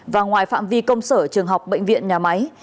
và ngoài phạm vi công sở trường học bệnh viện nhà máy